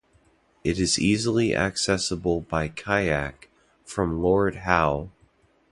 It is easily accessible by kayak from Lord Howe.